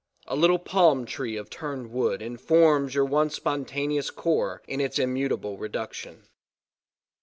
A little "palm tree of turned wood" informs your once spontaneous core in its immutable reduction.